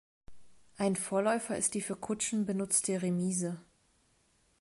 Ein Vorläufer ist die für Kutschen benutzte Remise.